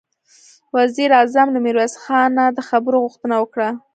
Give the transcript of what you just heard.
وزير اعظم له ميرويس خانه د خبرو غوښتنه وکړه.